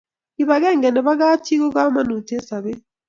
kip akenge eng kap chii ko kamagut eng sabet